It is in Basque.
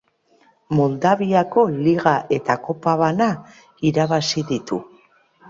Moldaviako Liga eta Kopa bana irabazi ditu.